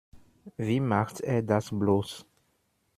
Wie macht er das bloß?